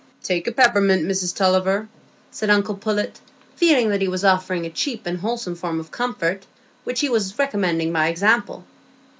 "Take a peppermint, Mrs Tulliver," said uncle Pullet, feeling that he was offering a cheap and wholesome form of comfort, which he was recommending by example.